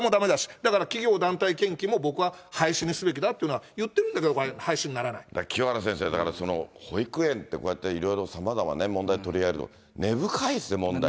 だから企業団体献金も僕は廃止にすべきだっていうのは、言ってる清原先生、保育園ってこうやっていろいろさまざま問題、根深いですね。